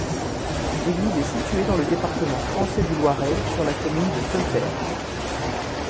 L'église est située dans le département français du Loiret, sur la commune de Solterre.